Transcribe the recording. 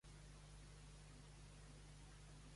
Al costat hi ha una finestra amb motiu floral goticitzant.